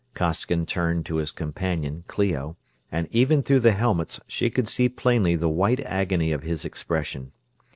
Costigan turned to his companion, Clio, and even through the helmets she could see plainly the white agony of his expression.